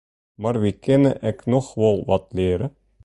Mar wy kinne ek noch wol wat leare.